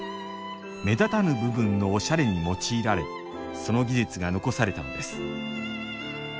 目立たぬ部分のおしゃれに用いられその技術が残されたのです